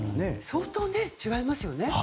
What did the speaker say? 相当、違いますね。